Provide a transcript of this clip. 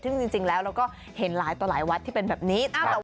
จริงแล้วก็เห็นหลายวัดที่เป็นแบบนี้